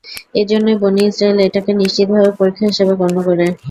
এজন্যই বনী ইসরাঈল এটাকে নিশ্চিতভাবে পরীক্ষা হিসেবে গণ্য করে।